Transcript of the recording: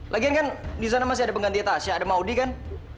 lagian kan di sana masih ada pengganti tasya ada maudie kan